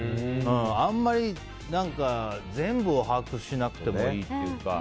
あんまり前後を把握しなくてもいいというか。